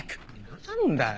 何だよ